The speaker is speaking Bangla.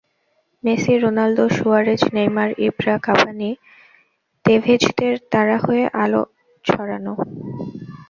Messi, Ronaldo, Suarez, Neymar, Ibra, Cavani, তেভেজদের তারা হয়ে আলো ছড়ানো।